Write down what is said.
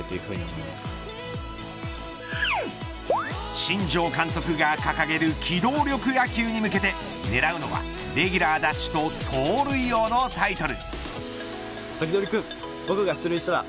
新庄監督が掲げる機動力野球に向けて狙うのはレギュラー奪取と盗塁王のタイトル。